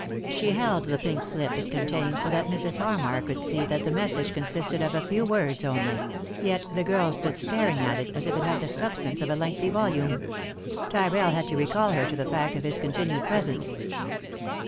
She held the pink slip it contained so that Mrs. Harmar could see that the message con sisted of a few words only ; yet the girl stood staring at it as if it had the substance of a lengthy volume. Tyrrell had to recall her to the fact of his continued presence.